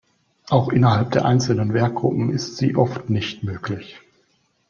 Auch innerhalb der einzelnen Werkgruppen ist sie oft nicht möglich.